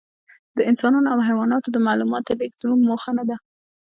د انسانانو او حیواناتو د معلوماتو لېږد زموږ موخه نهده.